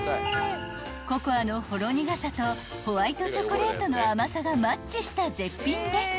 ［ココアのほろ苦さとホワイトチョコレートの甘さがマッチした絶品です］